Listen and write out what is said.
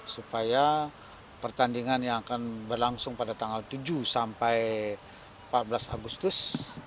supaya pertandingan yang akan berlangsung pada tanggal tujuh sampai empat belas agustus